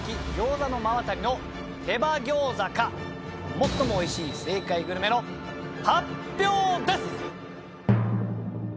最もおいしい正解グルメの発表です！